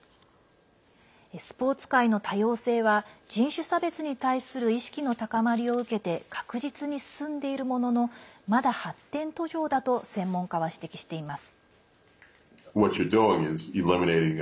スポーツ界の多様性は人種差別に対する意識の高まりを受けて確実に進んでいるもののまだ発展途上だと専門家は指摘しています。